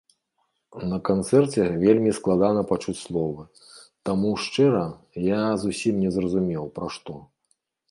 На канцэрце вельмі складана пачуць словы, таму шчыра, я зусім не зразумеў, пра што.